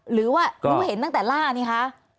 หรือเฮ็นตั้งแต่ร่านี่ค่ะ